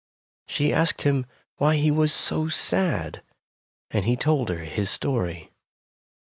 She asked him why he was so sad, and he told her his story.